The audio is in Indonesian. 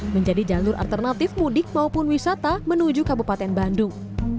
menjadi jalur alternatif mudik maupun wisata menuju kabupaten bandung